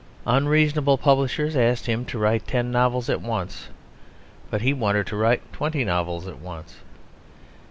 Unreasonable publishers asked him to write ten novels at once; but he wanted to write twenty novels at once.